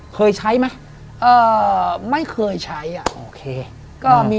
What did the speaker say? เคยใช้มั้ยไม่เคยใช้